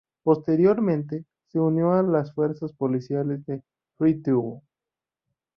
Posteriormente, se unió a las fuerzas policiales de Freetown.